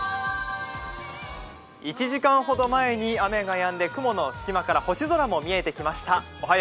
１時間ほどまえに雨がやんで雲の隙間から星空も見えてきました。